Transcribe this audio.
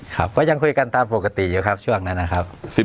ก็ยังคุยกันตามปกติอยู่ครับช่วงนั้นนะครับ